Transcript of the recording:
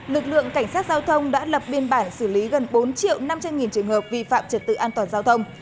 lực lượng cảnh sát giao thông đã lập biên bản xử lý gần bốn năm trăm linh trường hợp vi phạm trật tự an toàn giao thông